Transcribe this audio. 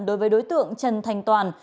đối với đối tượng trần thành toàn